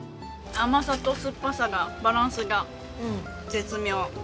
甘さと酸っぱさがバランスが絶妙。